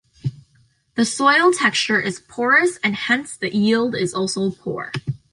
The soil texture is porous and hence the yield is also poor.